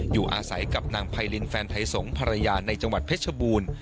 อยู่อาศัยกับนางไพรินแฟนไทยสงศภรรยาในจังหวัดเพชรบูรณ์